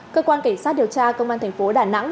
cơ quan cảnh sát điều tra công an tp đà nẵng